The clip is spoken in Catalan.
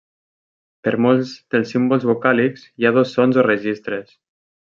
Per molts dels símbols vocàlics, hi ha dos sons o registres.